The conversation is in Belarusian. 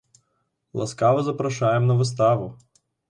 Ласкава запрашаем на выставу!